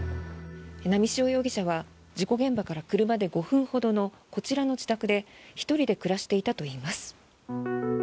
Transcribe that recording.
波汐容疑者は事故現場から車で５分ほどのこちらの自宅で１人で暮らしていたといいます。